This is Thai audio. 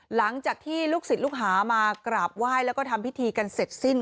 หลังจากที่ลูกศิษย์ลูกหามากราบไหว้แล้วก็ทำพิธีกันเสร็จสิ้น